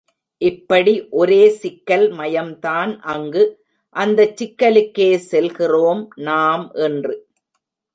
இப்படி ஒரே சிக்கல் மயம்தான் அங்கு, அந்தச் சிக்கலுக்கே செல்லுகிறோம் நாம் இன்று.